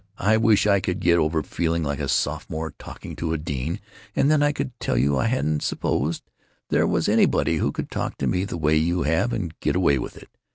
I wish I could get over feeling like a sophomore talking to a dean, and then I could tell you I hadn't supposed there was anybody could talk to me the way you have and get away with it.